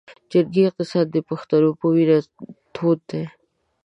جنګي اقتصاد د پښتنو پۀ وینه تود دے